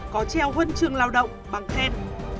có treo huân chương lao động bằng khen